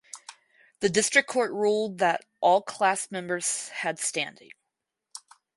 The District Court ruled that all class members had standing.